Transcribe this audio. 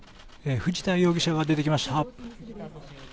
藤田容疑者が出てきました。